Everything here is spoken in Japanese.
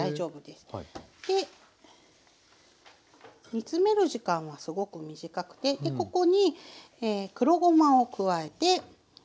煮詰める時間はすごく短くてここに黒ごまを加えて混ぜます。